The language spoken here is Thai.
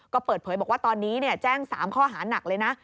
ก็เปิดเผยบอกว่าตอนนี้แจ้ง๓ข้อหานักเลยนะ